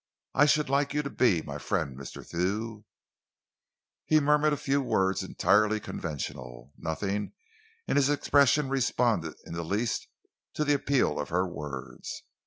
I should like you to be my friend, Mr. Thew." He murmured a few words entirely conventional. Nothing in his expression responded in the least to the appeal of her words.